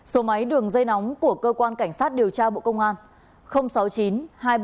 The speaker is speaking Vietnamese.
số máy đường dây nóng của cơ quan cảnh sát điều tra bộ công an sáu mươi chín hai trăm ba mươi bốn năm nghìn tám trăm sáu mươi